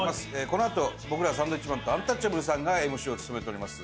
このあと僕らサンドウィッチマンとアンタッチャブルさんがＭＣを務めております